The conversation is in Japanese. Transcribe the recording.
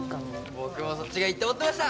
僕もそっちがいいって思ってました！